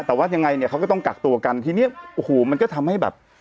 แต่ว่ายังไงเนี่ยเขาก็ต้องกักตัวกันทีเนี้ยโอ้โหมันก็ทำให้แบบ